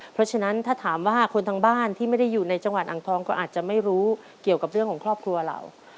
เพราะฉะนั้นถ้าถามว่าคนทางบ้านที่ไม่ได้อยู่ในจังหวัดอ่างทองก็อาจจะไม่รู้เกี่ยวกับเรื่องของครอบครัวเรา